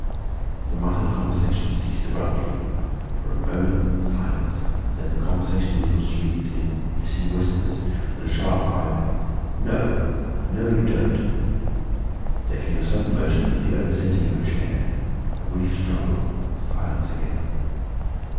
The muttered conversation ceased abruptly, for a moment silence, then the conversation was resumed, in hissing whispers, then a sharp cry of "No! no, you don't!" There came a sudden motion and the oversetting of a chair, a brief struggle. Silence again.